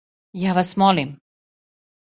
Ја вас молим!